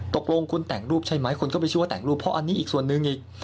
ตกลงคุณแต่งรูปใช่ไหมคนก็ไปชั่วแต่งรูปเพราะอันนี้อีกส่วนหนึ่งอีก